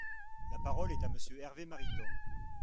La parole est à Monsieur Hervé Mariton.